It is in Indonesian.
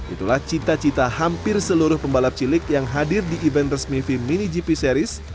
itulah cita cita hampir seluruh pembalap cilik yang hadir di event resmi fim mini gp series